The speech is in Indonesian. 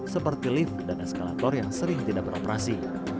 seperti lift dan eskalator yang sering tidak beroperasi